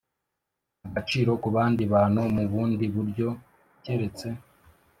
agaciro ku bandi bantu mu bundi buryo keretse